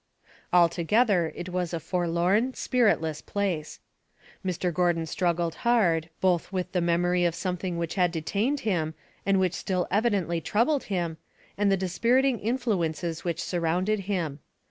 Al together it was a forlorn, spiritless place. Mr. Gordon struggled hard, both with the memory of something which had detained him, and which still evidently troubled him, and the dispiriting influences which surrounded him.